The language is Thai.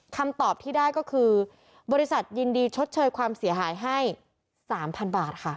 คำตอบที่ได้ก็คือบริษัทยินดีชดเชยความเสียหายให้๓๐๐๐บาทค่ะ